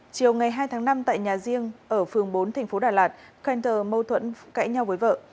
chiều ngày hai tháng năm tại nhà riêng ở phường bốn tp đà lạt kenter mâu thuẫn cãi nhau với vợ